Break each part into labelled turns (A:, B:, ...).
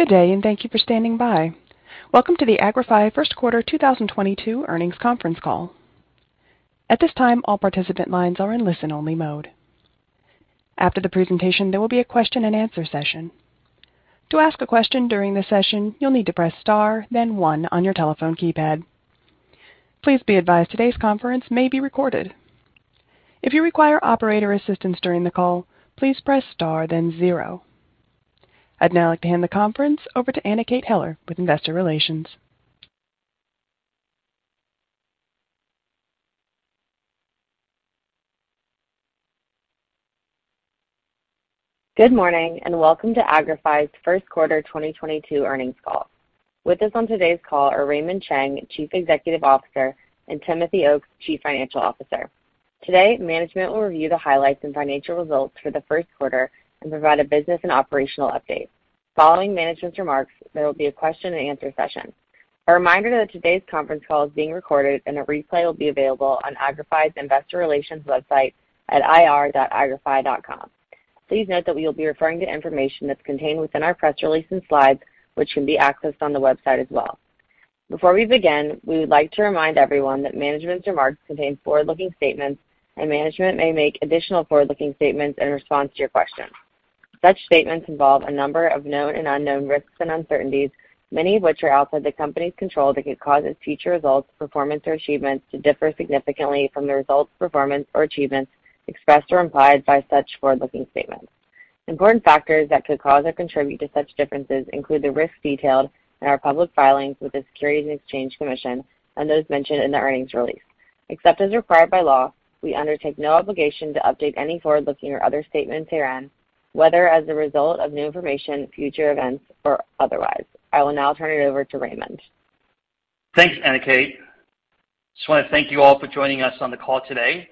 A: Good day, and thank you for standing by. Welcome to the RYTHM Q1 2022 Earnings Conference Call. At this time, all participant lines are in listen-only mode. After the presentation, there will be a question-and-answer session. To ask a question during the session, you'll need to press star then one on your telephone keypad. Please be advised today's conference may be recorded. If you require operator assistance during the call, please press star then zero. I'd now like to hand the conference over to Anna Kate Heller with Investor Relations.
B: Good morning, and welcome to Agrify's Q1 2022 Earnings Call. With us on today's call are Raymond Chang, Chief Executive Officer, and Timothy Oakes, Chief Financial Officer. Today, management will review the highlights and financial results for the Q1 and provide a business and operational update. Following management's remarks, there will be a question-and-answer session. A reminder that today's conference call is being recorded, and a replay will be available on Agrify's investor relations website at ir.agrify.com. Please note that we will be referring to information that's contained within our press release and slides, which can be accessed on the website as well. Before we begin, we would like to remind everyone that management's remarks contain forward-looking statements, and management may make additional forward-looking statements in response to your questions. Such statements involve a number of known and unknown risks and uncertainties, many of which are outside the company's control, that could cause its future results, performance, or achievements to differ significantly from the results, performance, or achievements expressed or implied by such forward-looking statements. Important factors that could cause or contribute to such differences include the risks detailed in our public filings with the Securities and Exchange Commission and those mentioned in the earnings release. Except as required by law, we undertake no obligation to update any forward-looking or other statements herein, whether as a result of new information, future events, or otherwise. I will now turn it over to Raymond.
C: Thanks, Anna Kate. Just wanna thank you all for joining us on the call today.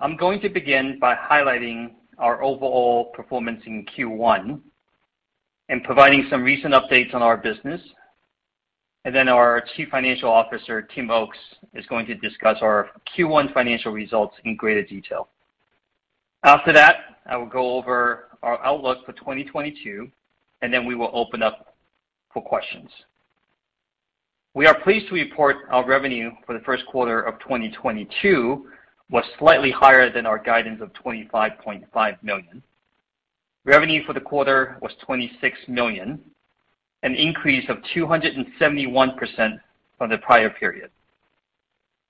C: I'm going to begin by highlighting our overall performance in Q1 and providing some recent updates on our business. Our Chief Financial Officer, Tim Oakes, is going to discuss our Q1 financial results in greater detail. After that, I will go over our outlook for 2022, and then we will open up for questions. We are pleased to report our revenue for the Q1 of 2022 was slightly higher than our guidance of $25.5 million. Revenue for the quarter was $26 million, an increase of 271% from the prior period.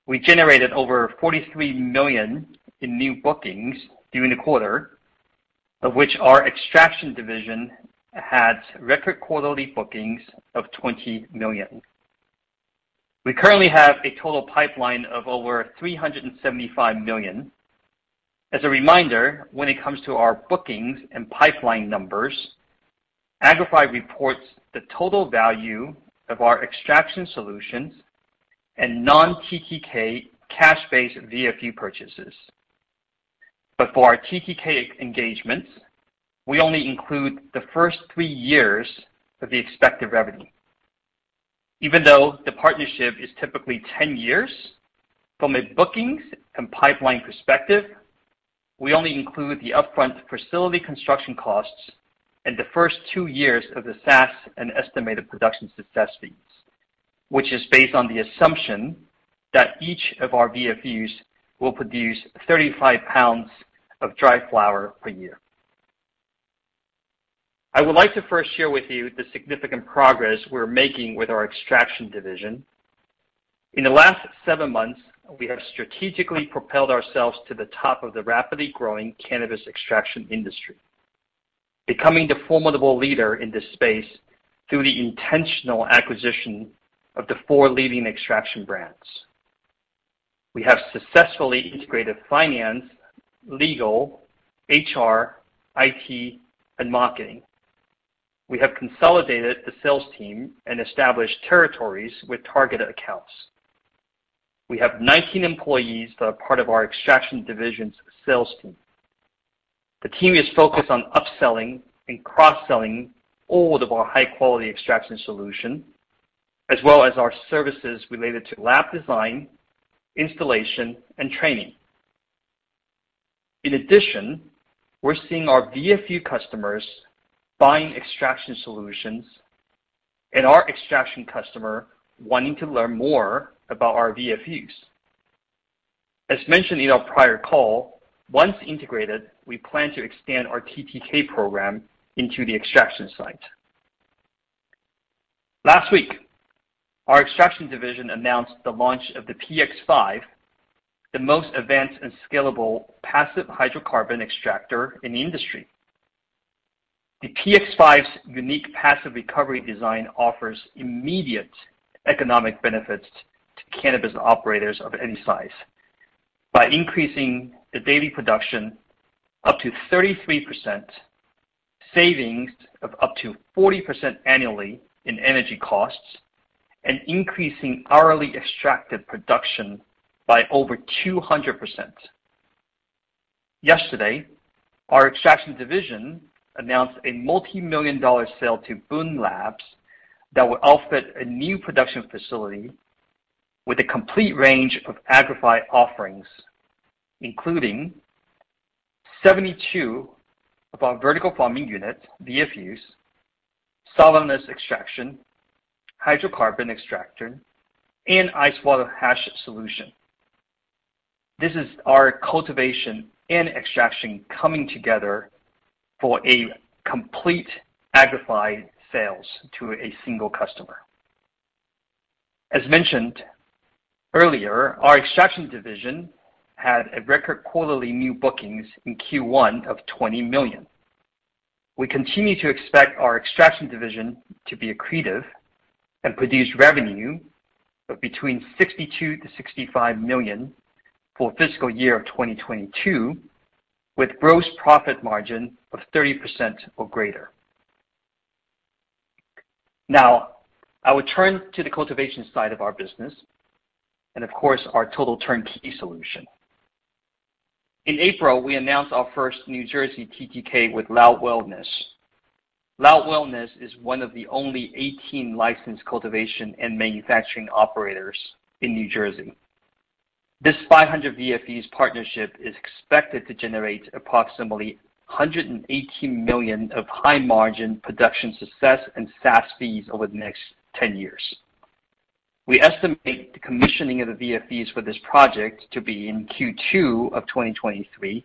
C: We generated over $43 million in new bookings during the quarter, of which our extraction division had record quarterly bookings of $20 million. We currently have a total pipeline of over $375 million. As a reminder, when it comes to our bookings and pipeline numbers, Agrify reports the total value of our extraction solutions and non-TTK cash-based VFU purchases. For our TTK engagements, we only include the first three years of the expected revenue. Even though the partnership is typically 10 years, from a bookings and pipeline perspective, we only include the upfront facility construction costs and the first two years of the SaaS and estimated production success fees, which is based on the assumption that each of our VFUs will produce 35 pounds of dried flower per year. I would like to first share with you the significant progress we're making with our extraction division. In the last seven months, we have strategically propelled ourselves to the top of the rapidly growing cannabis extraction industry, becoming the formidable leader in this space through the intentional acquisition of the four leading extraction brands. We have successfully integrated finance, legal, HR, IT, and marketing. We have consolidated the sales team and established territories with targeted accounts. We have 19 employees that are part of our extraction division's sales team. The team is focused on upselling and cross-selling all of our high-quality extraction solution, as well as our services related to lab design, installation, and training. In addition, we're seeing our VFU customers buying extraction solutions and our extraction customer wanting to learn more about our VFUs. As mentioned in our prior call, once integrated, we plan to expand our TTK program into the extraction site. Last week, our extraction division announced the launch of the PX5, the most advanced and scalable passive hydrocarbon extractor in the industry. The PX5's unique passive recovery design offers immediate economic benefits to cannabis operators of any size by increasing the daily production up to 33%, savings of up to 40% annually in energy costs, and increasing hourly extracted production by over 200%. Yesterday, our extraction division announced a multi-million dollars sale to Boone Labs that will outfit a new production facility with a complete range of Agrify offerings, including 72 of our vertical farming units, VFUs, solventless extraction, hydrocarbon extractor, and ice water hash solution. This is our cultivation and extraction coming together for a complete Agrify sales to a single customer. As mentioned earlier, our extraction division had a record quarterly new bookings in Q1 of $20 million. We continue to expect our extraction division to be accretive and produce revenue of between $62 million-$65 million for fiscal year 2022, with gross profit margin of 30% or greater. Now, I will turn to the cultivation side of our business, and of course, our total turnkey solution. In April, we announced our first New Jersey TTK with Loud Wellness. Loud Wellness is one of the only 18 licensed cultivation and manufacturing operators in New Jersey. This 500 VFUs partnership is expected to generate approximately $180 million of high-margin production success and SaaS fees over the next 10 years. We estimate the commissioning of the VFUs for this project to be in Q2 of 2023,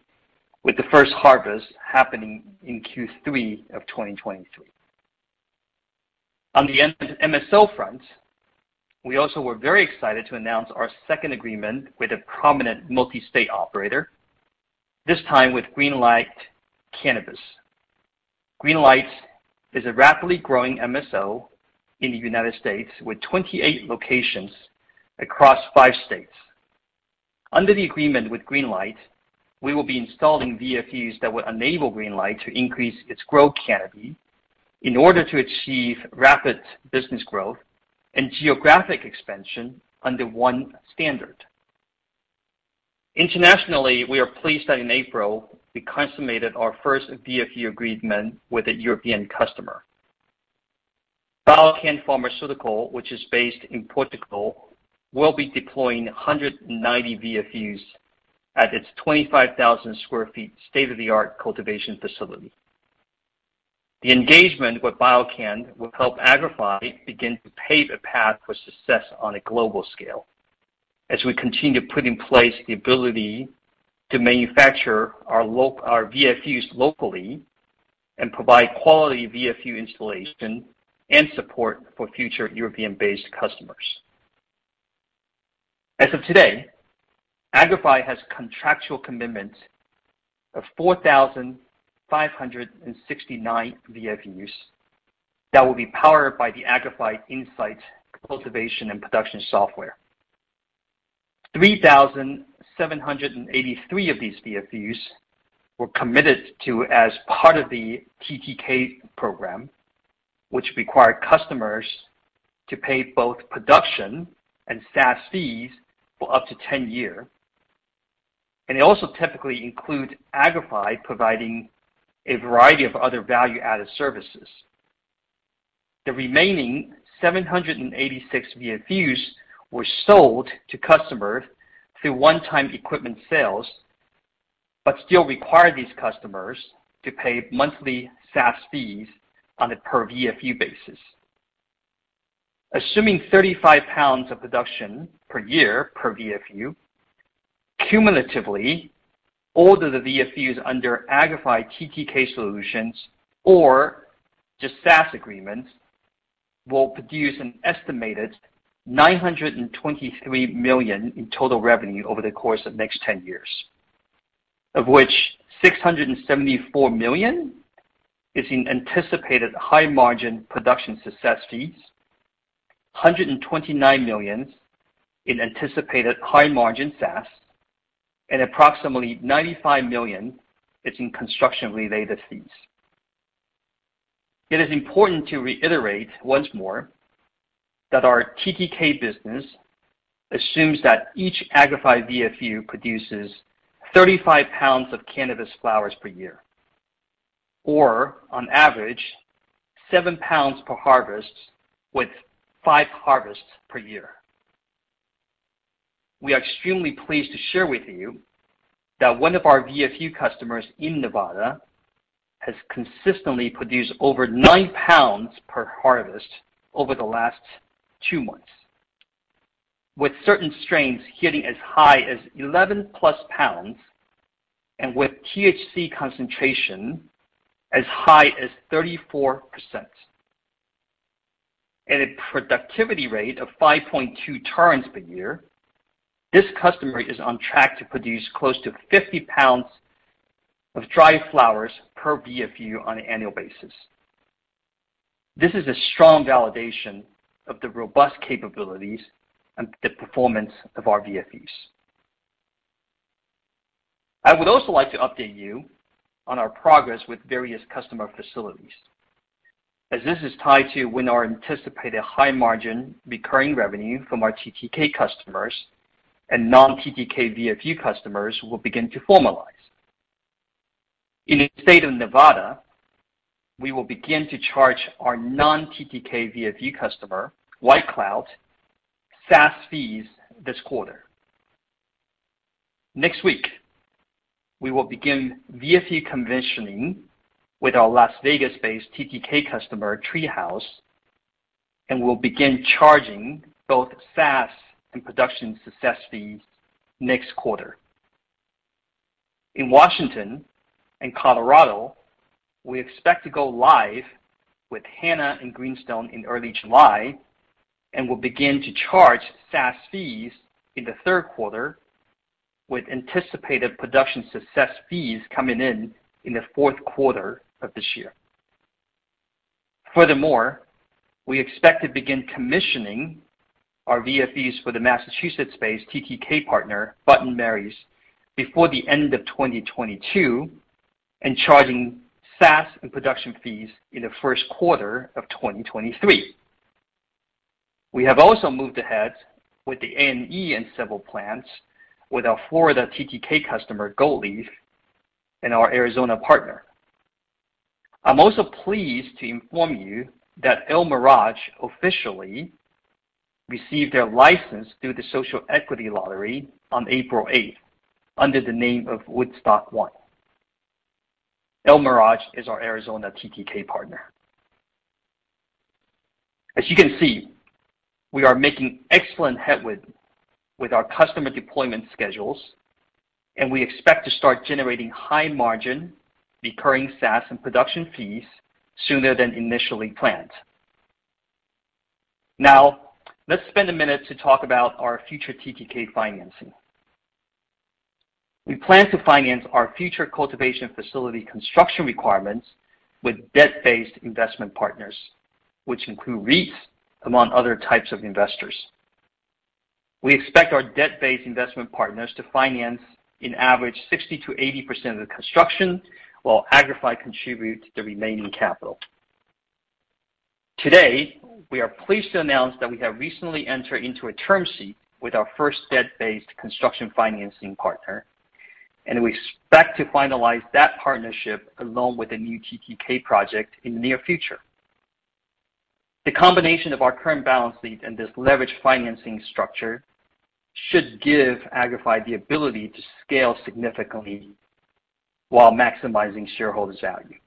C: with the first harvest happening in Q3 of 2023. On the MSO front, we also were very excited to announce our second agreement with a prominent multi-state operator, this time with Greenlight Cannabis. Greenlight is a rapidly growing MSO in the United States, with 28 locations across five states. Under the agreement with Greenlight, we will be installing VFUs that will enable Greenlight to increase its grow canopy in order to achieve rapid business growth and geographic expansion under one standard. Internationally, we are pleased that in April we consummated our first VFU agreement with a European customer. BioCann Pharmaceutical, which is based in Portugal, will be deploying 190 VFUs at its 25,000 sq ft state-of-the-art cultivation facility. The engagement with BioCann will help Agrify begin to pave a path for success on a global scale as we continue to put in place the ability to manufacture our VFUs locally and provide quality VFU installation and support for future European-based customers. As of today, Agrify has contractual commitments of 4,569 VFUs that will be powered by the Agrify Insights cultivation and production software. 3,783 of these VFUs were committed to as part of the TTK program, which require customers to pay both production and SaaS fees for up to 10 year. It also typically includes Agrify providing a variety of other value-added services. The remaining 786 VFUs were sold to customers through one-time equipment sales, but still require these customers to pay monthly SaaS fees on a per VFU basis. Assuming 35 lbs of production per year per VFU, cumulatively, all of the VFUs under Agrify TTK solutions or just SaaS agreements will produce an estimated $923 million in total revenue over the course of next 10 years, of which $674 million is in anticipated high-margin production success fees, $129 million in anticipated high-margin SaaS, and approximately $95 million is in construction-related fees. It is important to reiterate once more that our TTK business assumes that each Agrify VFU produces 35 pounds of cannabis flowers per year, or on average, seven pounds per harvest, with five harvests per year. We are extremely pleased to share with you that one of our VFU customers in Nevada has consistently produced over 9lbs per harvest over the last two months, with certain strains hitting as high as +11 lbs and with THC concentration as high as 34%. At a productivity rate of 5.2 turns per year, this customer is on track to produce close to 50 lbs of dried flowers per VFU on an annual basis. This is a strong validation of the robust capabilities and the performance of our VFUs. I would also like to update you on our progress with various customer facilities as this is tied to when our anticipated high-margin recurring revenue from our TTK customers and non-TTK VFU customers will begin to formalize. In the state of Nevada, we will begin to charge our non-TTK VFU customer, White Cloud, SaaS fees this quarter. Next week, we will begin VFU commissioning with our Las Vegas-based TTK customer, Vegas Treehouse, and we'll begin charging both SaaS and production success fees next quarter. In Washington and Colorado, we expect to go live with Hannah and Greenstone in early July, and we'll begin to charge SaaS fees in the Q3, with anticipated production success fees coming in in the Q4 of this year. Furthermore, we expect to begin commissioning our VFUs for the Massachusetts-based TTK partner, Bud & Mary's, before the end of 2022 and charging SaaS and production fees in the Q1 of 2023. We have also moved ahead with the A&E and civil plans with our Florida TTK customer, Gold Leaf, and our Arizona partner. I'm also pleased to inform you that El Mirage officially received their license through the social equity lottery on April 8th, under the name of Woodstock One. El Mirage is our Arizona TTK partner. As you can see, we are making excellent headway with our customer deployment schedules, and we expect to start generating high-margin recurring SaaS and production fees sooner than initially planned. Now, let's spend a minute to talk about our future TTK financing. We plan to finance our future cultivation facility construction requirements with debt-based investment partners, which include REITs among other types of investors. We expect our debt-based investment partners to finance an average 60%-80% of the construction, while Agrify contributes the remaining capital. Today, we are pleased to announce that we have recently entered into a term sheet with our first debt-based construction financing partner, and we expect to finalize that partnership along with a new TTK project in the near future. The combination of our current balance sheet and this leverage financing structure should give Agrify the ability to scale significantly while maximizing shareholder value.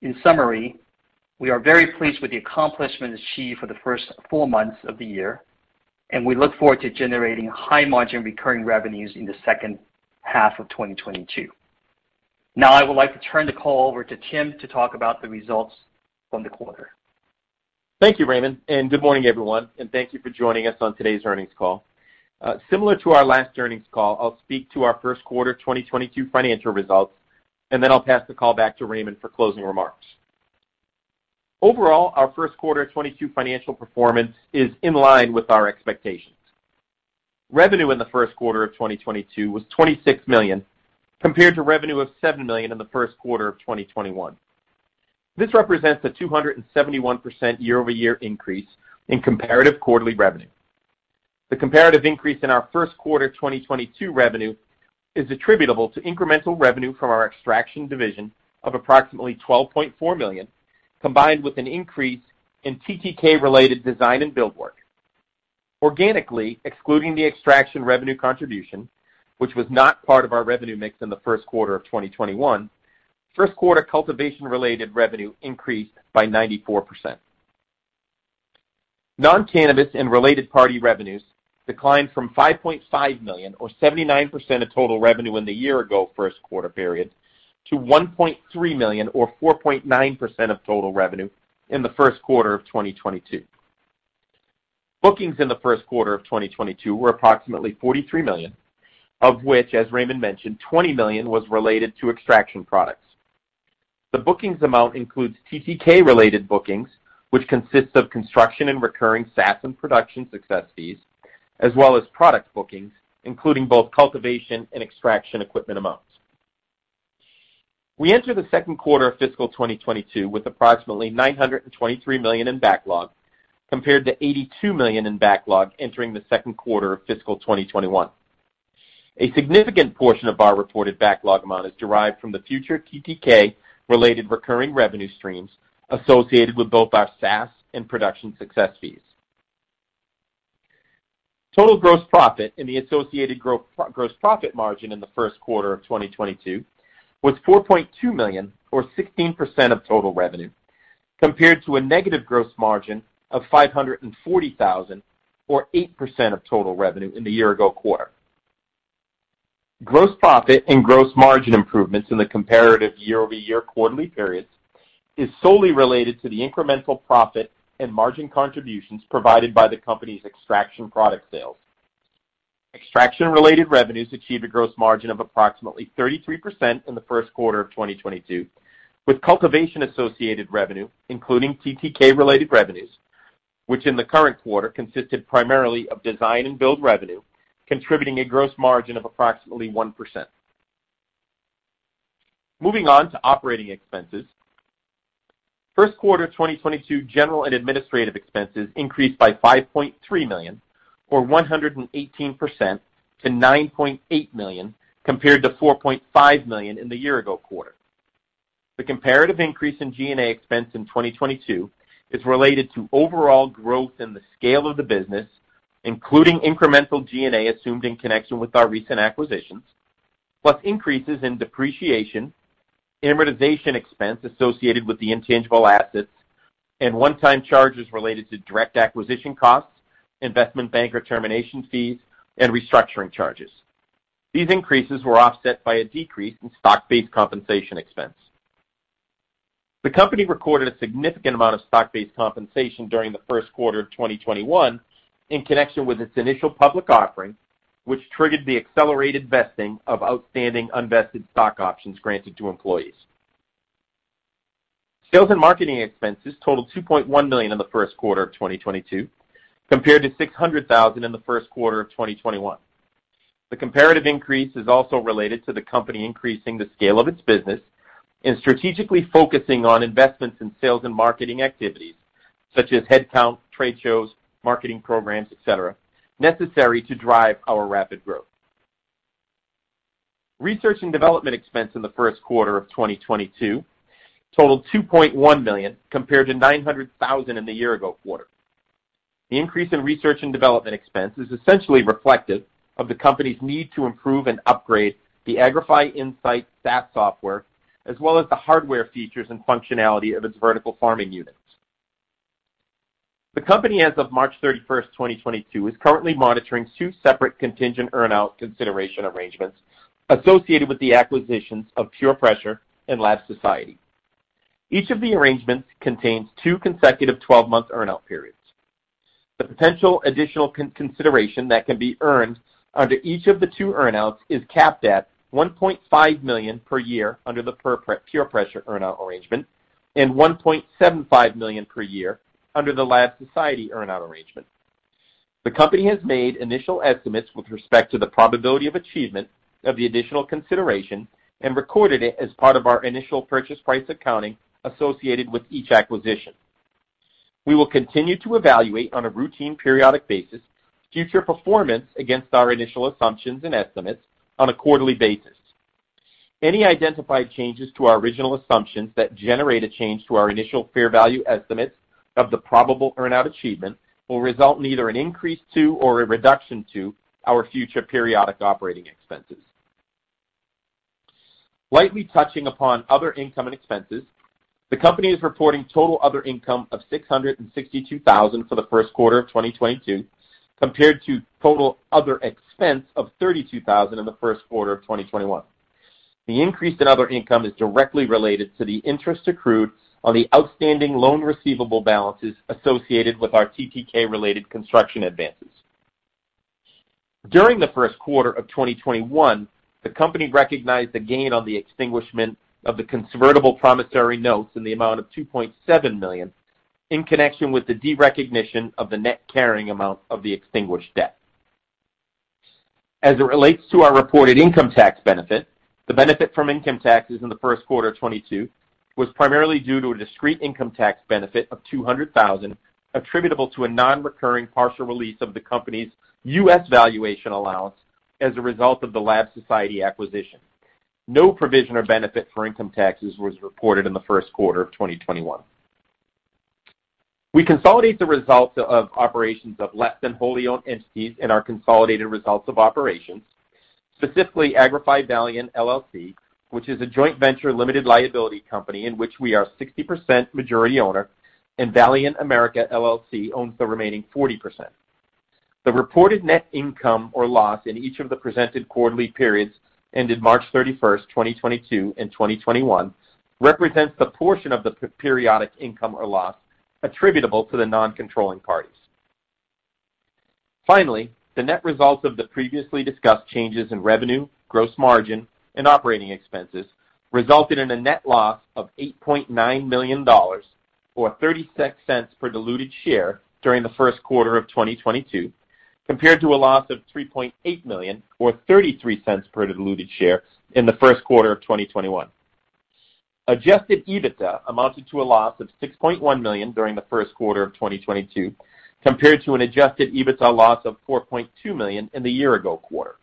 C: In summary, we are very pleased with the accomplishments achieved for the first four months of the year, and we look forward to generating high-margin recurring revenues in the second half of 2022. Now, I would like to turn the call over to Tim to talk about the results from the quarter.
D: Thank you, Raymond, and good morning, everyone, and thank you for joining us on today's earnings call. Similar to our last earnings call, I'll speak to our Q1 2022 financial results, and then I'll pass the call back to Raymond for closing remarks. Overall, our Q1 2022 financial performance is in line with our expectations. Revenue in the Q1 of 2022 was $26 million, compared to revenue of $7 million in the Q1 of 2021. This represents a 271% year-over-year increase in comparative quarterly revenue. The comparative increase in our Q1 2022 revenue is attributable to incremental revenue from our extraction division of approximately $12.4 million, combined with an increase in TTK-related design and build work. Organically excluding the extraction revenue contribution, which was not part of our revenue mix in the Q1 of 2021, Q1 cultivation-related revenue increased by 94%. Non-cannabis and related party revenues declined from $5.5 million or 79% of total revenue in the year ago Q1 period to $1.3 million or 4.9% of total revenue in the Q1 of 2022. Bookings in the Q1 of 2022 were approximately $43 million, of which, as Raymond mentioned, $20 million was related to extraction products. The bookings amount includes TTK-related bookings, which consists of construction and recurring SaaS and production success fees, as well as product bookings, including both cultivation and extraction equipment amounts. We enter the Q2 of fiscal 2022 with approximately $923 million in backlog, compared to $82 million in backlog entering the Q2 of fiscal 2021. A significant portion of our reported backlog amount is derived from the future TTK-related recurring revenue streams associated with both our SaaS and production success fees. Total gross profit and the associated gross profit margin in the Q1 of 2022 was $4.2 million, or 16% of total revenue, compared to a negative gross margin of $540,000 or 8% of total revenue in the year-ago quarter. Gross profit and gross margin improvements in the comparative year-over-year quarterly periods is solely related to the incremental profit and margin contributions provided by the company's extraction product sales. Extraction-related revenues achieve a gross margin of approximately 33% in the Q1 of 2022, with cultivation-associated revenue, including TTK-related revenues, which in the current quarter consisted primarily of design and build revenue, contributing a gross margin of approximately 1%. Moving on to operating expenses. Q1 2022 general and administrative expenses increased by $5.3 million or 118% to $9.8 million compared to $4.5 million in the year ago quarter. The comparative increase in G&A expense in 2022 is related to overall growth in the scale of the business, including incremental G&A assumed in connection with our recent acquisitions, plus increases in depreciation, amortization expense associated with the intangible assets, and one-time charges related to direct acquisition costs, investment banker termination fees, and restructuring charges. These increases were offset by a decrease in stock-based compensation expense. The company recorded a significant amount of stock-based compensation during the Q1 of 2021 in connection with its initial public offering, which triggered the accelerated vesting of outstanding unvested stock options granted to employees. Sales and marketing expenses totaled $2.1 million in the Q1 of 2022, compared to $600,000 in the Q1 of 2021. The comparative increase is also related to the company increasing the scale of its business and strategically focusing on investments in sales and marketing activities such as headcount, trade shows, marketing programs, et cetera, necessary to drive our rapid growth. Research and development expense in the Q1 of 2022 totaled $2.1 million compared to $900,000 in the year ago quarter. The increase in research and development expense is essentially reflective of the company's need to improve and upgrade the Agrify Insights SaaS software, as well as the hardware features and functionality of its vertical farming units. The company, as of March 31st, 2022, is currently monitoring two separate contingent earn-out consideration arrangements associated with the acquisitions of PurePressure and Lab Society. Each of the arrangements contains two consecutive 12-month earn-out periods. The potential additional consideration that can be earned under each of the two earn-outs is capped at $1.5 million per year under the PurePressure earn-out arrangement and $1.75 million per year under the Lab Society earn-out arrangement. The company has made initial estimates with respect to the probability of achievement of the additional consideration and recorded it as part of our initial purchase price accounting associated with each acquisition. We will continue to evaluate on a routine periodic basis future performance against our initial assumptions and estimates on a quarterly basis. Any identified changes to our original assumptions that generate a change to our initial fair value estimates of the probable earn-out achievement will result in either an increase to or a reduction to our future periodic operating expenses. Slightly touching upon other income and expenses, the company is reporting total other income of $662,000 for the Q1 of 2022, compared to total other expense of $32,000 in the Q1 of 2021. The increase in other income is directly related to the interest accrued on the outstanding loan receivable balances associated with our TTK-related construction advances. During the Q1 of 2021, the company recognized a gain on the extinguishment of the convertible promissory notes in the amount of $2.7 million in connection with the derecognition of the net carrying amount of the extinguished debt. As it relates to our reported income tax benefit, the benefit from income taxes in the Q1 of 2022 was primarily due to a discrete income tax benefit of $200,000 attributable to a non-recurring partial release of the company's U.S. valuation allowance as a result of the Lab Society acquisition. No provision or benefit for income taxes was reported in the Q1 of 2021. We consolidate the results of operations of less than wholly owned entities in our consolidated results of operations, specifically Agrify Valiant LLC, which is a joint venture limited liability company in which we are 60% majority owner, and Valiant-America LLC owns the remaining 40%. The reported net income or loss in each of the presented quarterly periods ended March 31st, 2022 and 2021 represents the portion of the periodic income or loss attributable to the non-controlling parties. Finally, the net results of the previously discussed changes in revenue, gross margin, and operating expenses resulted in a net loss of $8.9 million or $0.36 per diluted share during the Q1 of 2022, compared to a loss of $3.8 million or $0.33 per diluted share in the Q1 of 2021. Adjusted EBITDA amounted to a loss of $6.1 million during the Q1 of 2022, compared to an adjusted EBITDA loss of $4.2 million in the year ago quarter.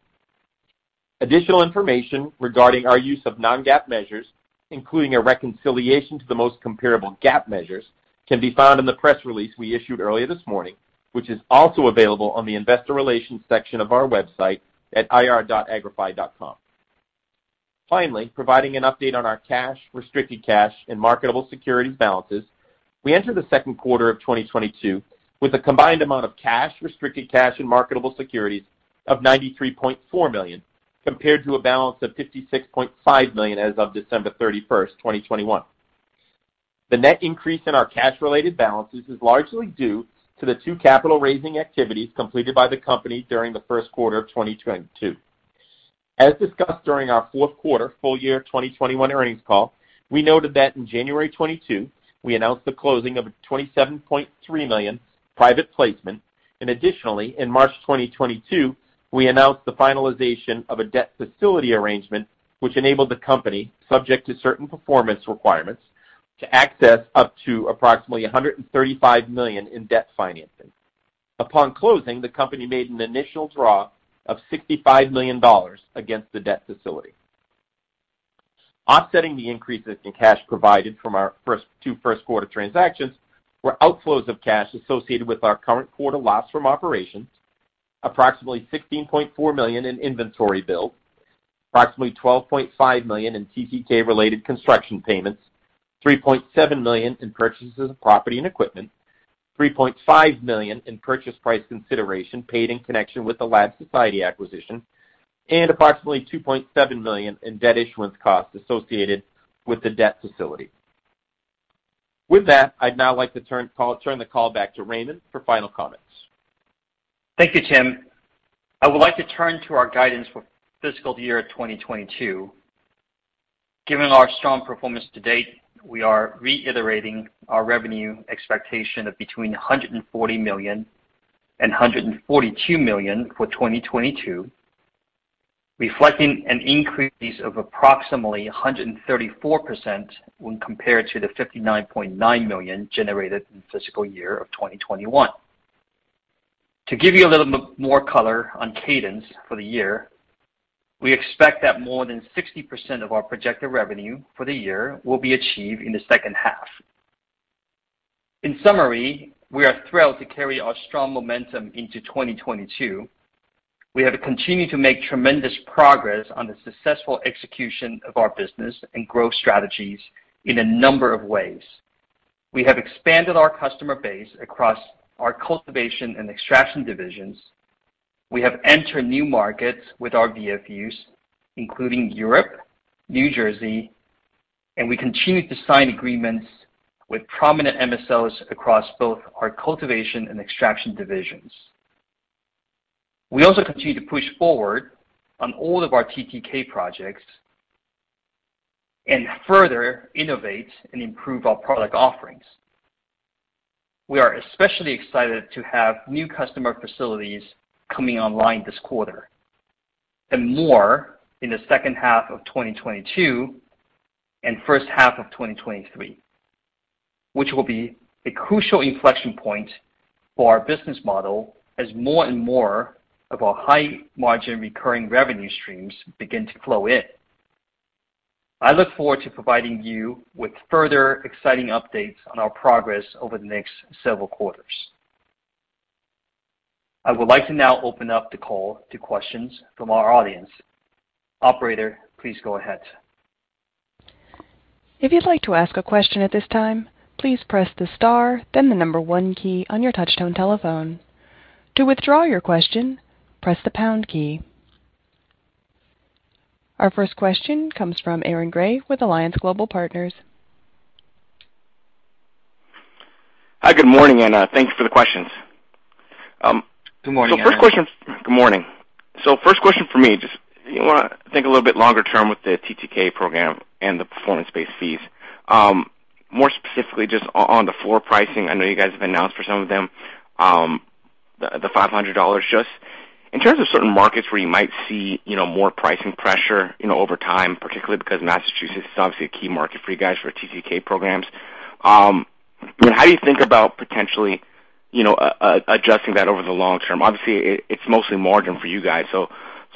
D: Additional information regarding our use of non-GAAP measures, including a reconciliation to the most comparable GAAP measures, can be found in the press release we issued earlier this morning, which is also available on the investor relations section of our website at ir.agrify.com. Finally, providing an update on our cash, restricted cash, and marketable securities balances, we enter the Q2 of 2022 with a combined amount of cash, restricted cash, and marketable securities of $93.4 million, compared to a balance of $56.5 million as of December 31st, 2021. The net increase in our cash-related balances is largely due to the two capital-raising activities completed by the company during the Q1 of 2022. As discussed during our Q4 full year 2021 earnings call, we noted that in January 2022, we announced the closing of a $27.3 million private placement. Additionally, in March 2022, we announced the finalization of a debt facility arrangement which enabled the company, subject to certain performance requirements, to access up to approximately $135 million in debt financing. Upon closing, the company made an initial draw of $65 million against the debt facility. Offsetting the increases in cash provided from our first two Q1 transactions were outflows of cash associated with our current quarter loss from operations, approximately $16.4 million in inventory bills, approximately $12.5 million in TTK-related construction payments, $3.7 million in purchases of property and equipment, $3.5 million in purchase price consideration paid in connection with the Lab Society acquisition, and approximately $2.7 million in debt issuance costs associated with the debt facility. With that, I'd now like to turn the call back to Raymond for final comments.
C: Thank you, Tim. I would like to turn to our guidance for fiscal year 2022. Given our strong performance to date, we are reiterating our revenue expectation of between $140 million and $142 million for 2022, reflecting an increase of approximately 134% when compared to the $59.9 million generated in fiscal year of 2021. To give you a little more color on cadence for the year, we expect that more than 60% of our projected revenue for the year will be achieved in the second half. In summary, we are thrilled to carry our strong momentum into 2022. We have continued to make tremendous progress on the successful execution of our business and growth strategies in a number of ways. We have expanded our customer base across our cultivation and extraction divisions. We have entered new markets with our VFUs, including Europe, New Jersey, and we continue to sign agreements with prominent MSOs across both our cultivation and extraction divisions. We also continue to push forward on all of our TTK projects and further innovate and improve our product offerings. We are especially excited to have new customer facilities coming online this quarter, and more in the second half of 2022 and first half of 2023, which will be a crucial inflection point for our business model as more and more of our high-margin recurring revenue streams begin to flow in. I look forward to providing you with further exciting updates on our progress over the next several quarters. I would like to now open up the call to questions from our audience. Operator, please go ahead.
A: If you'd like to ask a question at this time, please press the star, then the number one key on your touchtone telephone. To withdraw your question, press the pound key. Our first question comes from Aaron Grey with Alliance Global Partners.
E: Hi. Good morning, and thanks for the questions.
C: Good morning, Aaron.
E: Good morning. First question for me, just if you wanna think a little bit longer term with the TTK program and the performance-based fees. More specifically just on the floor pricing, I know you guys have announced for some of them, the $500. Just in terms of certain markets where you might see, you know, more pricing pressure, you know, over time, particularly because Massachusetts is obviously a key market for you guys for TTK programs. You know, how do you think about potentially, you know, adjusting that over the long term? Obviously, it's mostly margin for you guys, so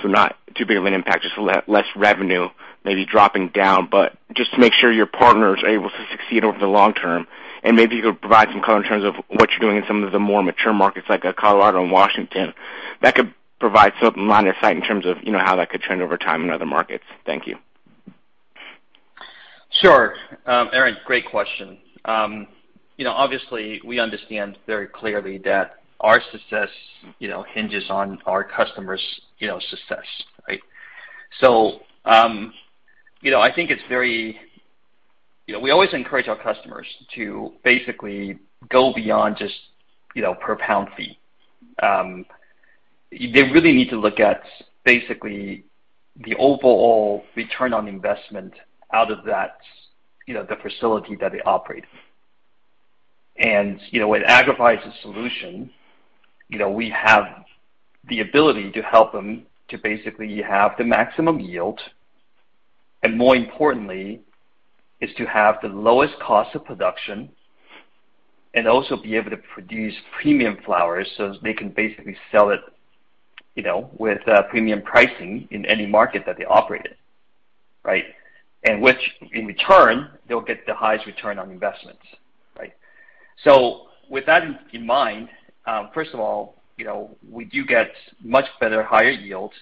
E: not too big of an impact, just less revenue maybe dropping down. Just to make sure your partners are able to succeed over the long term, and maybe you could provide some color in terms of what you're doing in some of the more mature markets like Colorado and Washington. That could provide some line of sight in terms of, you know, how that could trend over time in other markets. Thank you.
C: Sure. Aaron, great question. You know, obviously, we understand very clearly that our success, you know, hinges on our customers, you know, success, right? You know, I think it's very. We always encourage our customers to basically go beyond just, you know, per pound fee. They really need to look at basically the overall return on investment out of that, you know, the facility that they operate. You know, with Agrify's Solution, you know, we have the ability to help them to basically have the maximum yield, and more importantly is to have the lowest cost of production and also be able to produce premium flowers so they can basically sell it, you know, with premium pricing in any market that they operate in, right? Which in return, they'll get the highest return on investments, right? With that in mind, first of all, you know, we do get much better, higher yields.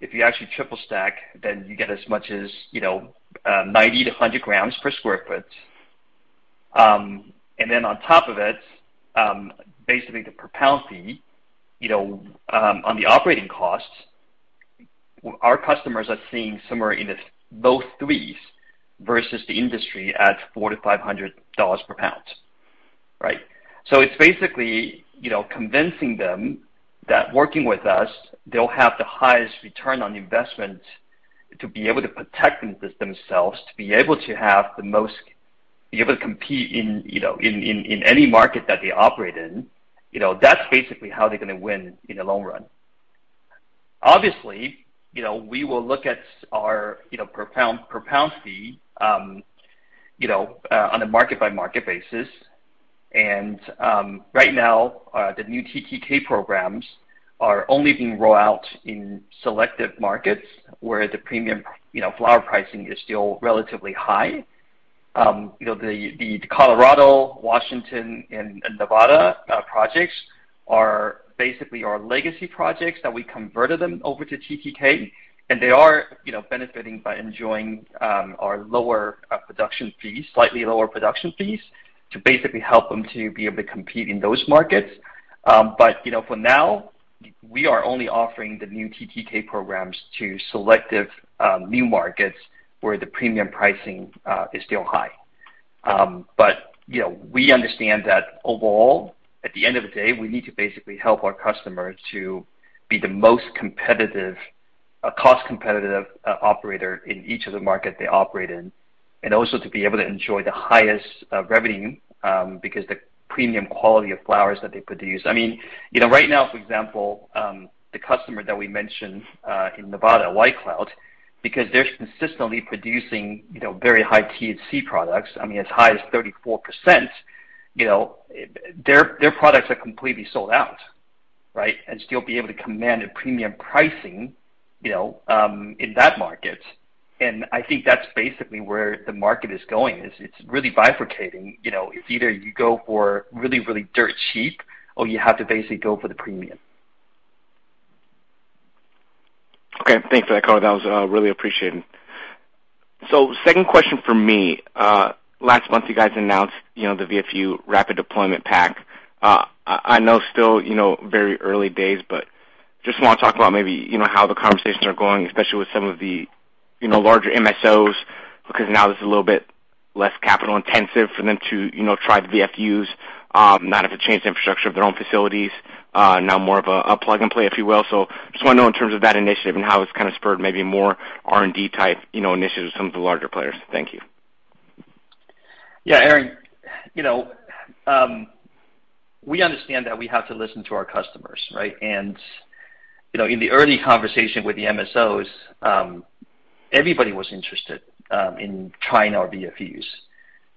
C: If you actually triple-stack, then you get as much as, you know, 90 g-100 g per sq ft. Then on top of it, basically the per pound fee, you know, on the operating costs, our customers are seeing somewhere in the low threes versus the industry at $400-$500 per pound, right? It's basically, you know, convincing them that working with us, they'll have the highest return on investment to be able to protect themselves, to be able to have the most be able to compete in, you know, in any market that they operate in. You know, that's basically how they're gonna win in the long run. Obviously, you know, we will look at our, you know, per pound fee on a market-by-market basis. Right now, the new TTK programs are only being rolled out in selective markets where the premium, you know, flower pricing is still relatively high. You know, the Colorado, Washington, and Nevada projects are basically our legacy projects that we converted them over to TTK, and they are, you know, benefiting by enjoying our lower production fees, slightly lower production fees to basically help them to be able to compete in those markets. You know, for now, we are only offering the new TTK programs to selective new markets where the premium pricing is still high. You know, we understand that overall, at the end of the day, we need to basically help our customers to be the most competitive, cost competitive operator in each of the market they operate in, and also to be able to enjoy the highest revenue because the premium quality of flowers that they produce. I mean, you know, right now, for example, the customer that we mentioned in Nevada, White Cloud, because they're consistently producing, you know, very high THC products, I mean, as high as 34%, you know, their products are completely sold out, right? Still be able to command a premium pricing, you know, in that market. I think that's basically where the market is going, is it's really bifurcating. You know, it's either you go for really, really dirt cheap or you have to basically go for the premium.
E: Okay. Thanks for that was really appreciated. Second question from me. Last month you guys announced, you know, the VFU Rapid Deployment Pack. I know still, you know, very early days, but just wanna talk about maybe, you know, how the conversations are going, especially with some of the, you know, larger MSOs. Because now there's a little bit less capital intensive for them to, you know, try the VFUs, not have to change the infrastructure of their own facilities, now more of a plug and play, if you will. Just wanna know in terms of that initiative and how it's kind of spurred maybe more R&D type, you know, initiatives with some of the larger players. Thank you.
C: Yeah, Aaron. You know, we understand that we have to listen to our customers, right? You know, in the early conversation with the MSOs, everybody was interested in trying our VFUs.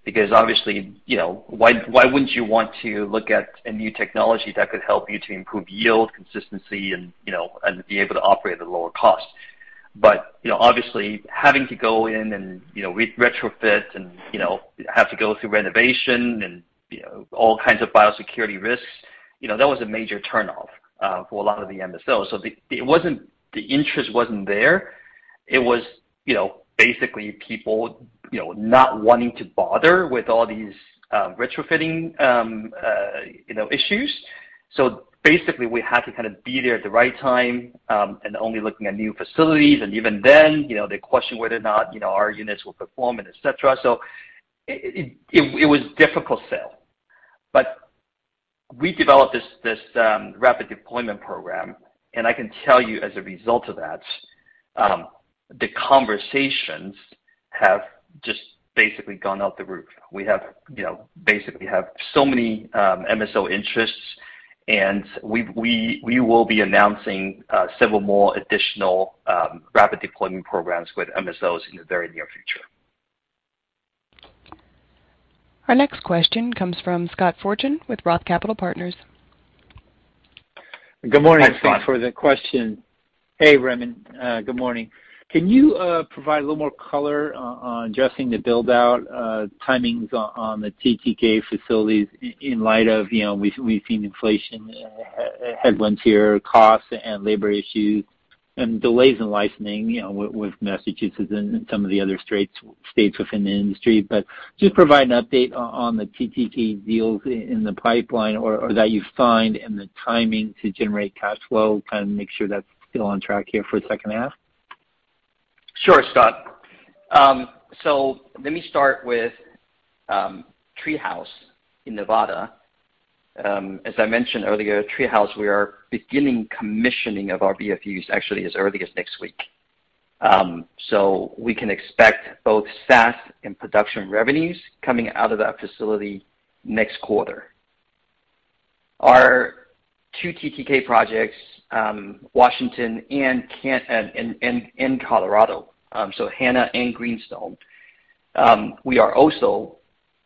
C: Because obviously, you know, why wouldn't you want to look at a new technology that could help you to improve yield, consistency and be able to operate at a lower cost? You know, obviously having to go in and you know, retrofit and you know, have to go through renovation and you know, all kinds of biosecurity risks, you know, that was a major turnoff for a lot of the MSOs. It wasn't that the interest wasn't there. It was, you know, basically people you know, not wanting to bother with all these retrofitting you know, issues. Basically, we had to kind of be there at the right time and only looking at new facilities. Even then, you know, they question whether or not, you know, our units will perform and et cetera. It was difficult sell. We developed this rapid deployment program, and I can tell you as a result of that, the conversations have just basically gone through the roof. We have, you know, basically so many MSO interests, and we will be announcing several more additional rapid deployment programs with MSOs in the very near future.
A: Our next question comes from Scott Fortune with Roth Capital Partners.
C: Good morning, Scott.
F: Thanks for the question. Hey, Raymond. Good morning. Can you provide a little more color on addressing the build-out timings on the TTK facilities in light of, you know, we've seen inflation headlines here, costs and labor issues and delays in licensing, you know, with Massachusetts and some of the other states within the industry. Just provide an update on the TTK deals in the pipeline or that you find and the timing to generate cash flow. Kind of make sure that's still on track here for the second half.
C: Sure, Scott. Let me start with Vegas Treehouse in Nevada. As I mentioned earlier, Vegas Treehouse, we are beginning commissioning of our VFUs actually as early as next week. We can expect both SaaS and production revenues coming out of that facility next quarter. Our two TTK projects, Washington and Colorado, Hannah and Greenstone, we are also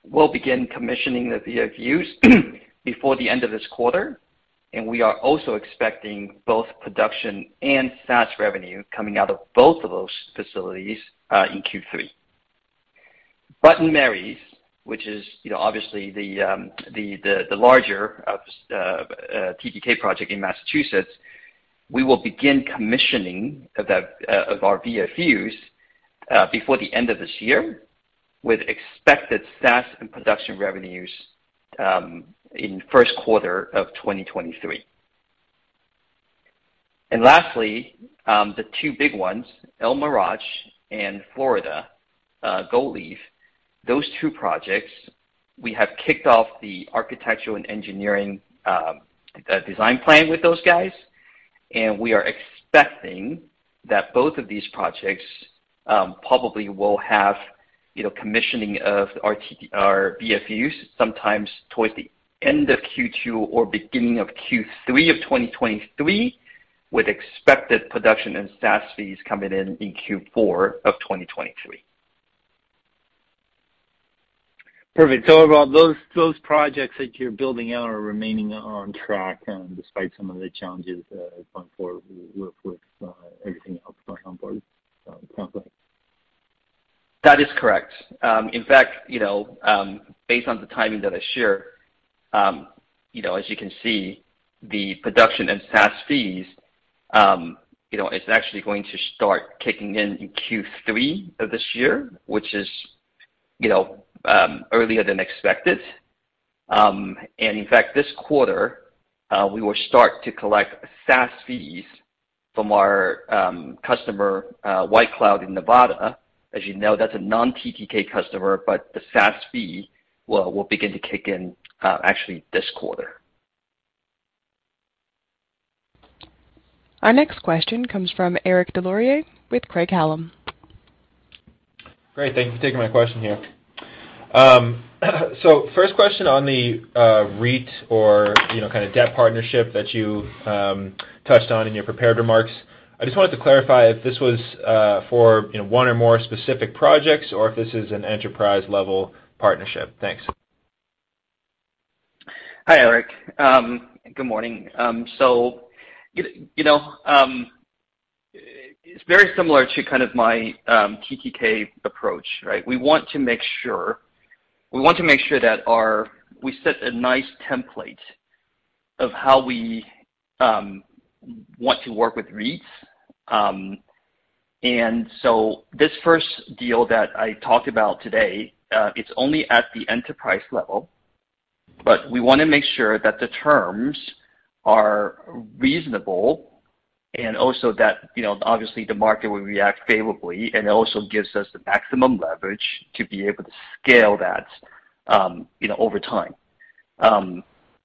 C: will begin commissioning the VFUs before the end of this quarter, and we are also expecting both production and SaaS revenue coming out of both of those facilities in Q3. Bud & Mary's, which is, you know, obviously the larger of TTK project in Massachusetts, we will begin commissioning of that of our VFUs before the end of this year, with expected SaaS and production revenues in Q1 of 2023. Lastly, the two big ones, El Mirage and Gold Leaf. Those two projects we have kicked off the architectural and engineering design plan with those guys, and we are expecting that both of these projects probably will have, you know, commissioning of our VFUs sometime towards the end of Q2 or beginning of Q3 of 2023, with expected production and SaaS fees coming in in Q4 of 2023.
F: Perfect. Overall, those projects that you're building out are remaining on track, despite some of the challenges, going forward with everything else going on board, sounds like.
C: That is correct. In fact, you know, based on the timing that I shared, you know, as you can see, the production and SaaS fees, you know, it's actually going to start kicking in in Q3 of this year, which is, you know, earlier than expected. In fact, this quarter, we will start to collect SaaS fees from our customer, White Cloud in Nevada. As you know, that's a non-TTK customer, but the SaaS fee will begin to kick in, actually this quarter.
A: Our next question comes from Eric Des Lauriers with Craig-Hallum.
G: Great. Thank you for taking my question here. First question on the REIT or, you know, kind of debt partnership that you touched on in your prepared remarks. I just wanted to clarify if this was for, you know, one or more specific projects or if this is an enterprise level partnership. Thanks.
C: Hi, Eric. Good morning. You know, it's very similar to kind of my TTK approach, right? We want to make sure that we set a nice template of how we want to work with REITs. This first deal that I talked about today, it's only at the enterprise level, but we wanna make sure that the terms are reasonable and also that, you know, obviously the market will react favorably, and it also gives us the maximum leverage to be able to scale that, you know, over time.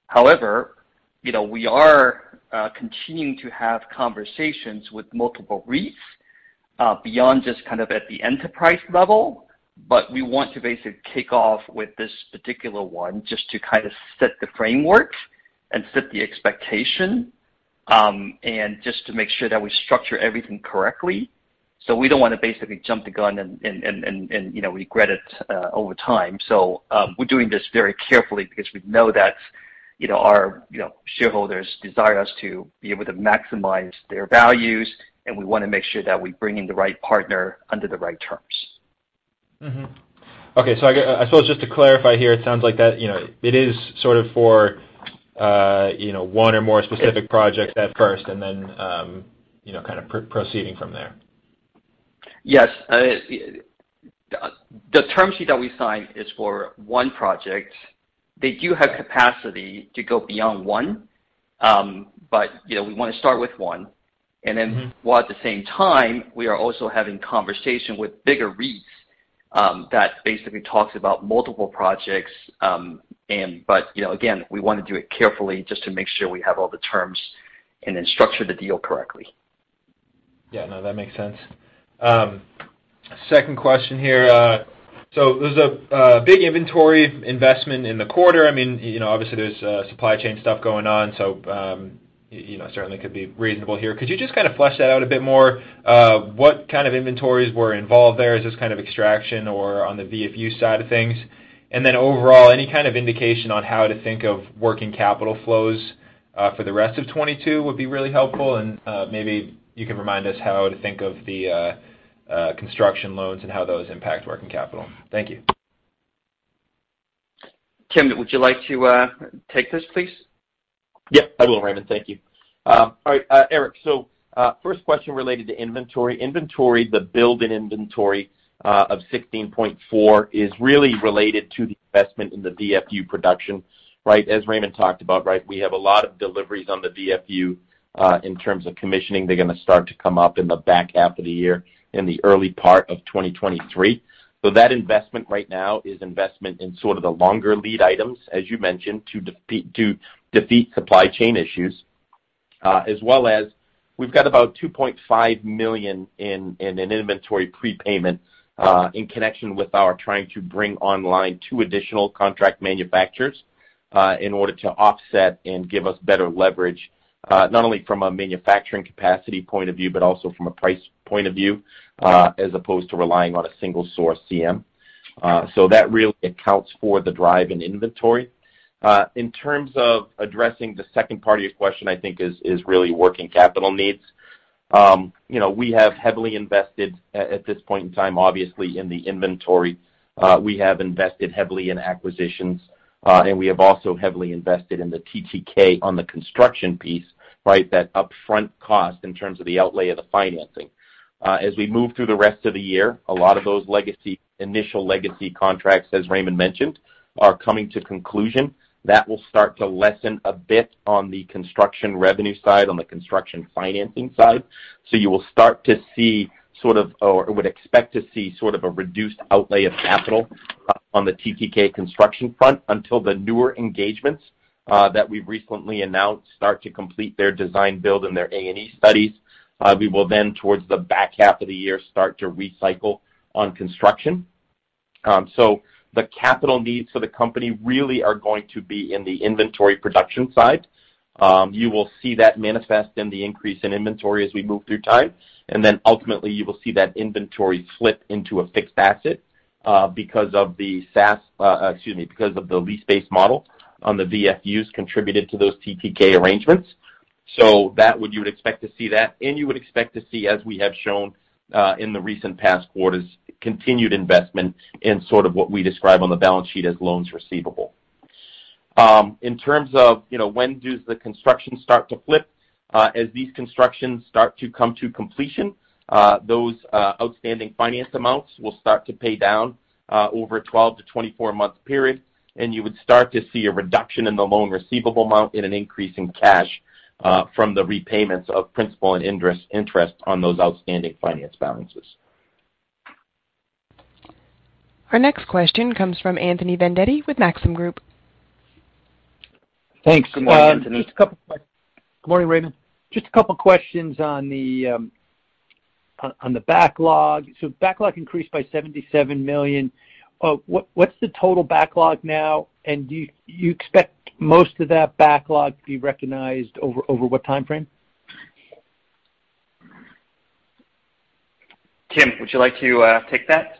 C: However, you know, we are continuing to have conversations with multiple REITs beyond just kind of at the enterprise level, but we want to basically kick off with this particular one just to kind of set the framework and set the expectation, and just to make sure that we structure everything correctly. We don't wanna basically jump the gun and you know, regret it over time. We're doing this very carefully because we know that you know, our you know, shareholders desire us to be able to maximize their values, and we wanna make sure that we bring in the right partner under the right terms.
G: Mm-hmm. Okay. I suppose just to clarify here, it sounds like that, you know, it is sort of for, you know, one or more specific projects at first and then, you know, kind of proceeding from there.
C: Yes. The term sheet that we signed is for one project. They do have capacity to go beyond one, but, you know, we wanna start with one. Then while at the same time, we are also having conversation with bigger REITs, that basically talks about multiple projects, and, you know, again, we wanna do it carefully just to make sure we have all the terms and then structure the deal correctly.
G: Yeah. No, that makes sense. Second question here. So there was a big inventory investment in the quarter. I mean, you know, obviously there's supply chain stuff going on, so you know, certainly could be reasonable here. Could you just kind of flesh that out a bit more? What kind of inventories were involved there? Is this kind of extraction or on the VFU side of things? And then overall, any kind of indication on how to think of working capital flows for the rest of 2022 would be really helpful. And maybe you can remind us how to think of the construction loans and how those impact working capital. Thank you.
C: Tim, would you like to take this, please?
D: Yeah, I will, Raymond. Thank you. All right. Eric, first question related to inventory. Inventory, the build in inventory, of $16.4 is really related to the investment in the VFU production. Right? As Raymond talked about, right? We have a lot of deliveries on the VFU, in terms of commissioning. They're gonna start to come up in the back half of the year in the early part of 2023. That investment right now is investment in sort of the longer lead items, as you mentioned, to defeat supply chain issues. As well as we've got about $2.5 million in an inventory prepayment in connection with our trying to bring online two additional contract manufacturers in order to offset and give us better leverage not only from a manufacturing capacity point of view, but also from a price point of view, as opposed to relying on a single source CM. So that really accounts for the drive in inventory. In terms of addressing the second part of your question, I think is really working capital needs. You know, we have heavily invested at this point in time, obviously, in the inventory. We have invested heavily in acquisitions, and we have also heavily invested in the TTK on the construction piece, right? That upfront cost in terms of the outlay of the financing. As we move through the rest of the year, a lot of those initial legacy contracts, as Raymond mentioned, are coming to conclusion. That will start to lessen a bit on the construction revenue side, on the construction financing side. You will start to see sort of or would expect to see sort of a reduced outlay of capital on the TTK construction front until the newer engagements.
C: That we've recently announced start to complete their design build and their A&E studies. We will then towards the back half of the year start to recycle on construction. The capital needs for the company really are going to be in the inventory production side. You will see that manifest in the increase in inventory as we move through time. Ultimately you will see that inventory flip into a fixed asset, because of the lease-based model on the VFUs contributed to those TTK arrangements. That what you would expect to see that, and you would expect to see as we have shown, in the recent past quarters, continued investment in sort of what we describe on the balance sheet as loans receivable. In terms of, you know, when does the construction start to flip, as these constructions start to come to completion, those outstanding finance amounts will start to pay down, over a 12-24 month period. You would start to see a reduction in the loan receivable amount and an increase in cash, from the repayments of principal and interest on those outstanding finance balances.
A: Our next question comes from Anthony Vendetti with Maxim Group.
H: Thanks.
C: Good morning, Anthony.
H: Good morning, Raymond. Just a couple of questions on the backlog. Backlog increased by $77 million. What's the total backlog now? Do you expect most of that backlog to be recognized over what time frame?
C: Tim, would you like to take that?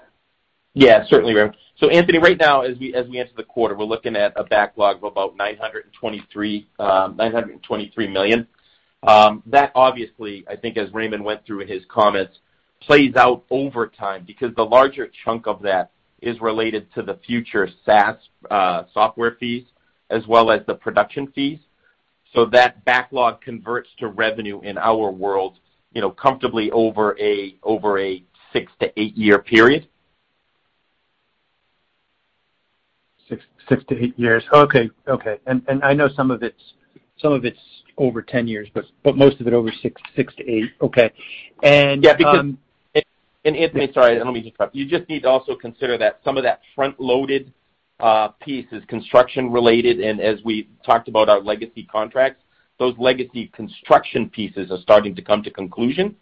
D: Yeah, certainly, Raymond. Anthony, right now as we enter the quarter, we're looking at a backlog of about $923 million. That obviously, I think as Raymond went through in his comments, plays out over time because the larger chunk of that is related to the future SaaS software fees as well as the production fees. That backlog converts to revenue in our world, you know, comfortably over a six-to-eight year period.
H: six-to-eight years. Okay. I know some of it's over 10 years, but most of it over six-to-eight. Okay.
D: Yeah, because Anthony, sorry, let me just you just need to also consider that some of that front-loaded piece is construction related. As we talked about our legacy contracts, those legacy construction pieces are starting to come to conclusion.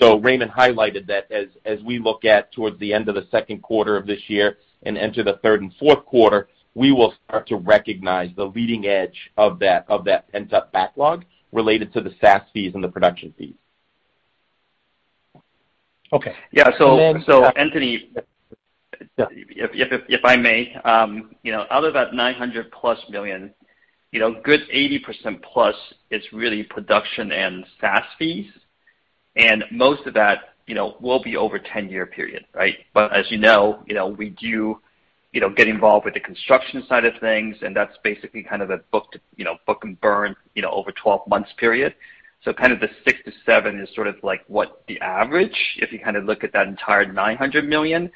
D: Raymond highlighted that as we look towards the end of the Q2 of this year and enter the third and Q4, we will start to recognize the leading edge of that pent-up backlog related to the SaaS fees and the production fees.
H: Okay.
C: Yeah. Anthony, if I may, you know, out of that +$900 million, you know, a good +80% is really production and SaaS fees, and most of that, you know, will be over 10-year period, right? As you know, you know, we do, you know, get involved with the construction side of things, and that's basically kind of a book to, you know, book and earn, you know, over 12-month period. Kind of the $6 million-$7 million is sort of like what the average if you kind of look at that entire $900 million.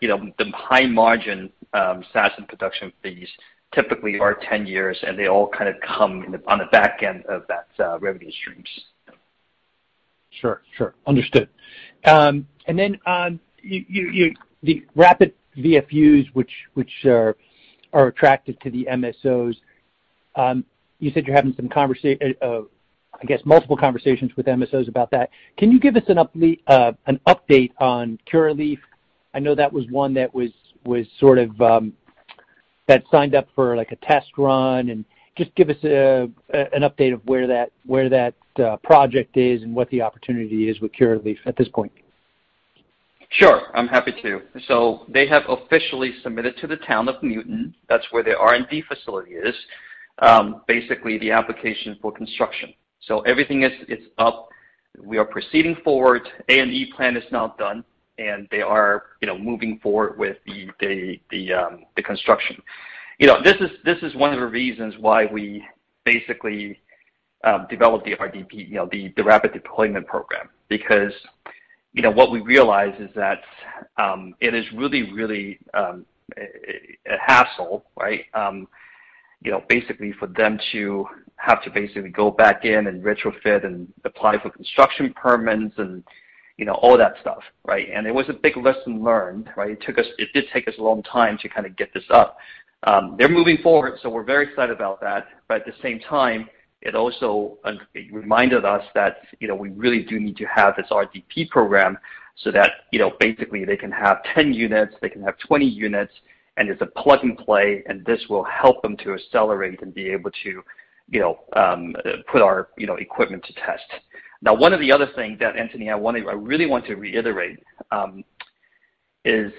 C: You know, the high-margin SaaS and production fees typically are 10 years, and they all kind of come in on the back end of that revenue streams.
H: Sure, sure. Understood. The rapid VFUs which are attracted to the MSOs, you said you're having some I guess multiple conversations with MSOs about that. Can you give us an update on Curaleaf? I know that was one that was sort of that signed up for like a test run and just give us an update of where that project is and what the opportunity is with Curaleaf at this point.
C: Sure. I'm happy to. They have officially submitted to the town of Newton, that's where their R&D facility is, basically the application for construction. Everything is up. We are proceeding forward. A&E plan is now done. They are, you know, moving forward with the construction. You know, this is one of the reasons why we basically developed the RDP, you know, the rapid deployment program. Because, you know, what we realized is that it is really a hassle, right? You know, basically for them to have to basically go back in and retrofit and apply for construction permits and, you know, all that stuff, right? It was a big lesson learned, right? It did take us a long time to kinda get this up. They're moving forward, so we're very excited about that. At the same time, it also reminded us that, you know, we really do need to have this RDP program so that, you know, basically they can have 10 units, they can have 20 units, and it's a plug-and-play, and this will help them to accelerate and be able to, you know, put our, you know, equipment to test. Now, one of the other things that, Anthony, I wanted—I really want to reiterate, is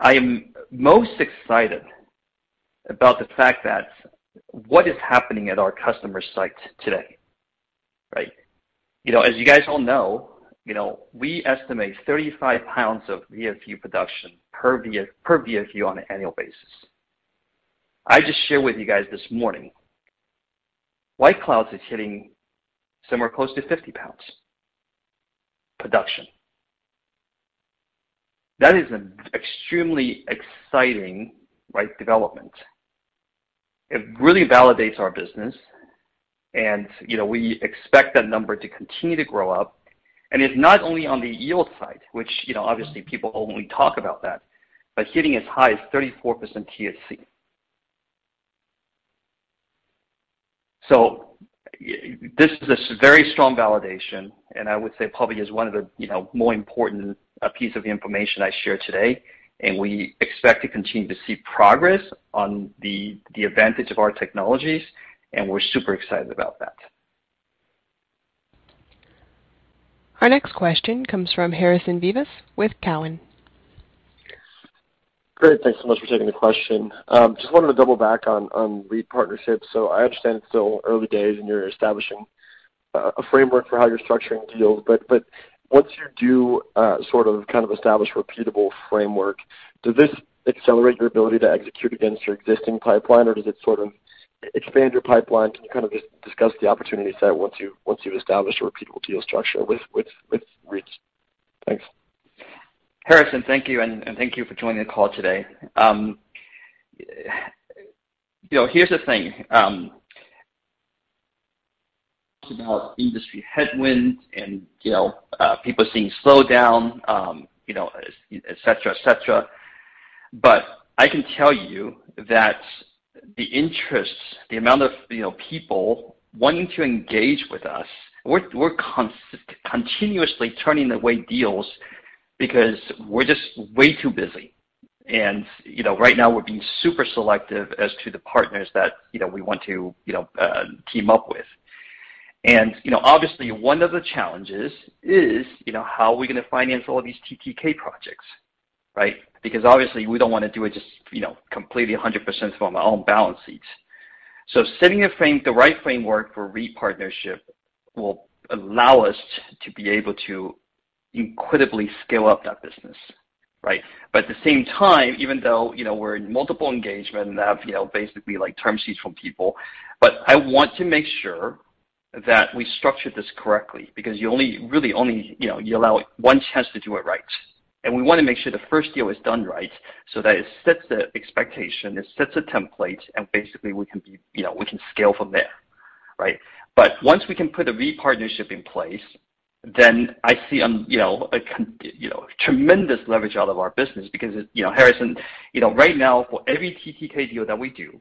C: I am most excited about the fact that what is happening at our customer site today, right? You know, as you guys all know, you know, we estimate 35 pounds of VFU production per VFU on an annual basis. I just shared with you guys this morning, White Cloud is hitting somewhere close to 50 lbs production. That is an extremely exciting, right, development. It really validates our business. You know, we expect that number to continue to grow up. It's not only on the yield side, which, you know, obviously people only talk about that, but hitting as high as 34% THC. This is a very strong validation, and I would say probably is one of the, you know, more important piece of information I share today, and we expect to continue to see progress on the advantage of our technologies, and we're super excited about that.
A: Our next question comes from Harrison Vivas with Cowen.
I: Great. Thanks so much for taking the question. Just wanted to double back on REIT partnerships. I understand it's still early days, and you're establishing a framework for how you're structuring deals. Once you do sort of kind of establish repeatable framework, does this accelerate your ability to execute against your existing pipeline, or does it sort of expand your pipeline? Can you kind of just discuss the opportunity set once you've established a repeatable deal structure with REITs? Thanks.
C: Harrison, thank you, and thank you for joining the call today. You know, here's the thing. About industry headwinds and, you know, people seeing slowdown, you know, et cetera, et cetera. I can tell you that the interest, the amount of, you know, people wanting to engage with us, we're continuously turning away deals because we're just way too busy. You know, right now we're being super selective as to the partners that, you know, we want to, you know, team up with. You know, obviously one of the challenges is, you know, how are we gonna finance all these TTK projects, right? Because obviously we don't wanna do it just, you know, completely 100% from our own balance sheets. The right framework for REIT partnership will allow us to be able to incredibly scale up that business, right? At the same time, even though, you know, we're in multiple engagement and have, you know, basically like term sheets from people, but I want to make sure that we structure this correctly because you only, really only, you know, you allow one chance to do it right. We wanna make sure the first deal is done right so that it sets the expectation, it sets a template, and basically we can be, you know, we can scale from there, right? Once we can put a REIT partnership in place, then I see a, you know, a you know, tremendous leverage out of our business because it. You know, Harrison, you know, right now for every TTK deal that we do,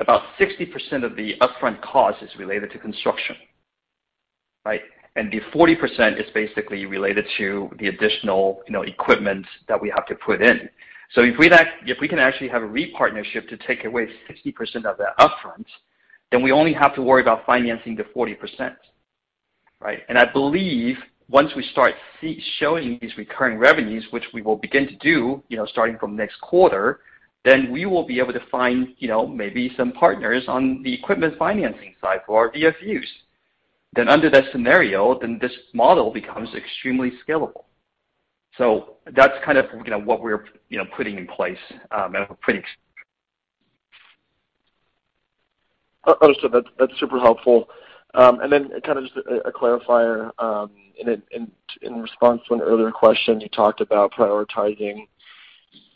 C: about 60% of the upfront cost is related to construction, right? The 40% is basically related to the additional, you know, equipment that we have to put in. If we can actually have a REIT partnership to take away 60% of that upfront, then we only have to worry about financing the 40%, right? I believe once we start showing these recurring revenues, which we will begin to do, you know, starting from next quarter, then we will be able to find, you know, maybe some partners on the equipment financing side for our VFUs. Under that scenario, this model becomes extremely scalable. That's kind of, you know, what we're, you know, putting in place, and pretty ex-
I: Understood. That's super helpful. Kind of just a clarifier. In response to an earlier question, you talked about prioritizing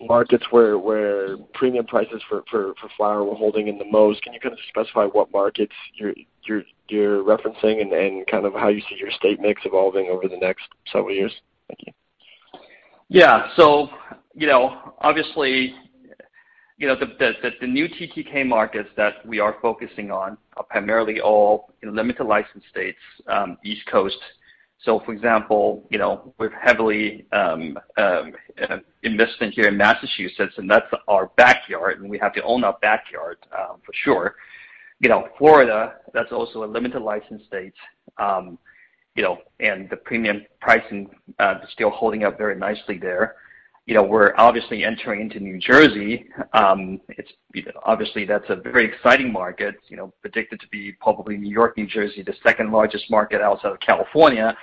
I: markets where premium prices for flower were holding in the most. Can you kind of specify what markets you're referencing and kind of how you see your state mix evolving over the next several years? Thank you.
C: Yeah. You know, obviously, you know, the new TTK markets that we are focusing on are primarily all limited license states, East Coast. For example, you know, we're heavily invested here in Massachusetts, and that's our backyard, and we have to own our backyard, for sure. You know, Florida, that's also a limited license state. You know, and the premium pricing is still holding up very nicely there. You know, we're obviously entering into New Jersey. It is, you know, obviously that's a very exciting market, you know, predicted to be probably New York, New Jersey, the second-largest market outside of California.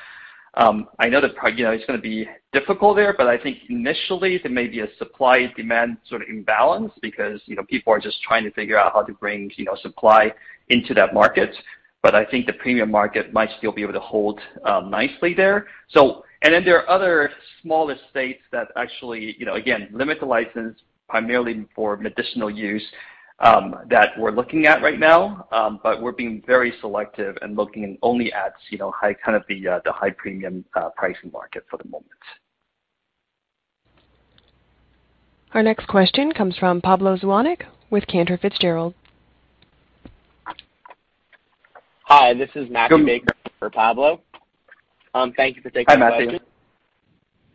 C: I know that, you know, it's gonna be difficult there, but I think initially there may be a supply-demand sort of imbalance because, you know, people are just trying to figure out how to bring, you know, supply into that market. But I think the premium market might still be able to hold nicely there. There are other smaller states that actually, you know, again, limit the license primarily for medicinal use that we're looking at right now. We're being very selective and looking only at, you know, high kind of the high premium pricing market for the moment.
A: Our next question comes from Pablo Zuanic with Cantor Fitzgerald.
J: Hi, this is Matthew Baker for Pablo. Thank you for taking the question.
C: Hi, Matthew.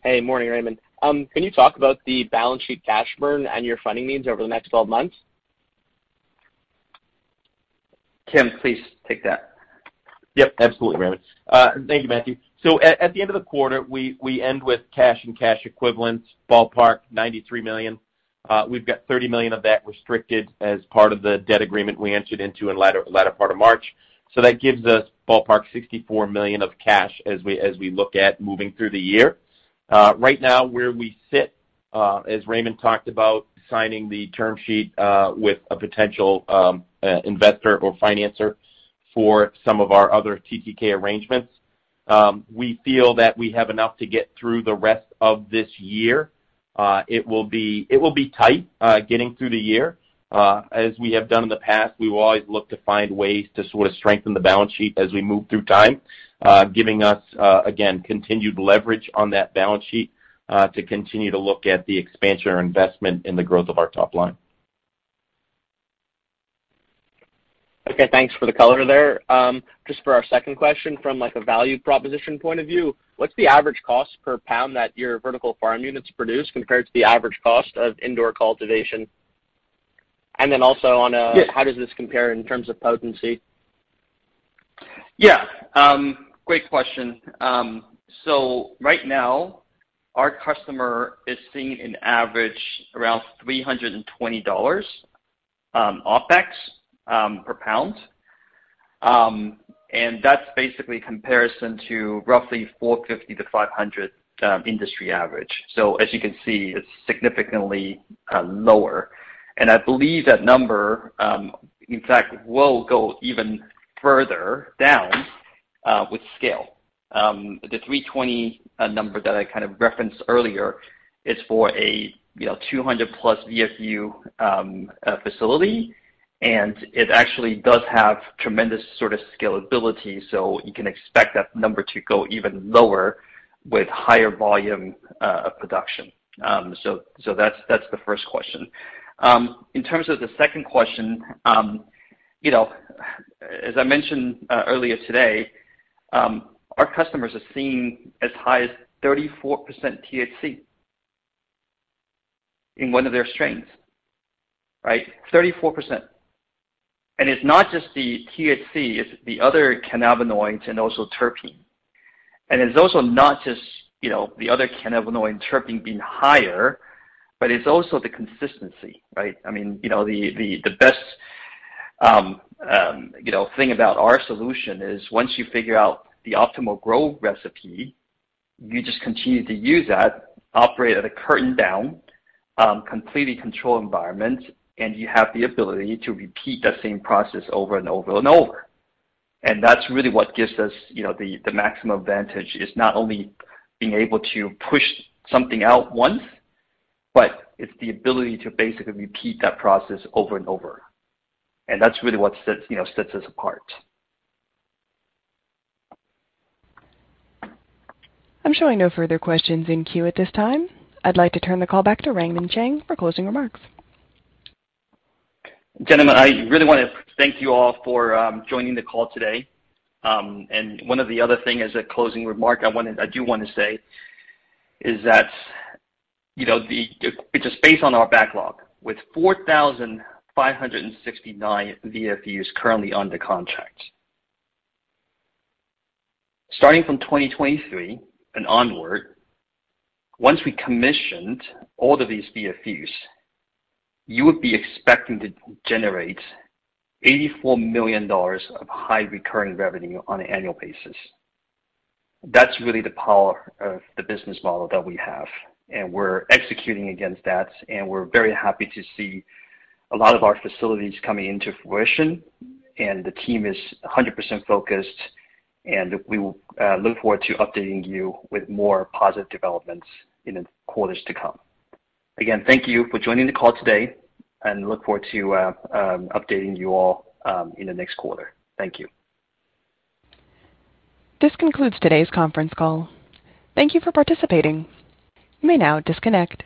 J: Hey. Morning, Raymond. Can you talk about the balance sheet cash burn and your funding needs over the next 12 months?
C: Tim, please take that.
D: Yep, absolutely, Raymond. Thank you, Matthew. At the end of the quarter, we end with cash and cash equivalents, ballpark $93 million. We've got $30 million of that restricted as part of the debt agreement we entered into in latter part of March. That gives us ballpark $64 million of cash as we look at moving through the year. Right now where we sit, as Raymond talked about signing the term sheet with a potential investor or financier for some of our other TTK arrangements. We feel that we have enough to get through the rest of this year. It will be tight getting through the year. As we have done in the past, we will always look to find ways to sort of strengthen the balance sheet as we move through time, giving us again continued leverage on that balance sheet to continue to look at the expansion or investment in the growth of our top line.
J: Okay, thanks for the color there. Just for our second question, from, like, a value proposition point of view, what's the average cost per pound that your vertical farm units produce compared to the average cost of indoor cultivation? And then also on a-
C: Yes.
J: How does this compare in terms of potency?
C: Yeah. Great question. Right now, our customer is seeing an average around $320 OPEX per pound. That's basically comparison to roughly $450-$500 industry average. As you can see, it's significantly lower. I believe that number, in fact, will go even further down with scale. The 320 number that I kind of referenced earlier is for a, you know, +200 VFU facility, and it actually does have tremendous sort of scalability, so you can expect that number to go even lower with higher volume of production. That's the first question. In terms of the second question, you know, as I mentioned earlier today, our customers are seeing as high as 34% THC in one of their strains. Right? 34%. It's not just the THC, it's the other cannabinoids and also terpene. It's also not just, you know, the other cannabinoid and terpene being higher, but it's also the consistency, right? I mean, you know, the best thing about our solution is once you figure out the optimal grow recipe, you just continue to use that, operate at a curtains down completely controlled environment, and you have the ability to repeat that same process over and over and over. That's really what gives us, you know, the maximum advantage is not only being able to push something out once, but it's the ability to basically repeat that process over and over. That's really what sets, you know, sets us apart.
A: I'm showing no further questions in queue at this time. I'd like to turn the call back to Raymond Chang for closing remarks.
C: Gentlemen, I really wanna thank you all for joining the call today. One of the other thing as a closing remark I wanted, I do wanna say is that, you know, just based on our backlog, with 4,569 VFUs currently under contract. Starting from 2023 and onward, once we commissioned all of these VFUs, you would be expecting to generate $84 million of high recurring revenue on an annual basis. That's really the power of the business model that we have, and we're executing against that, and we're very happy to see a lot of our facilities coming into fruition, and the team is 100% focused, and we will look forward to updating you with more positive developments in the quarters to come. Again, thank you for joining the call today and look forward to updating you all in the next quarter. Thank you.
A: This concludes today's conference call. Thank you for participating. You may now disconnect.